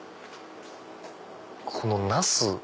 このナス。